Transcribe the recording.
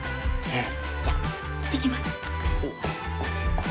えっ？